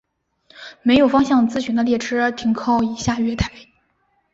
没有方向资讯的列车停靠以下月台。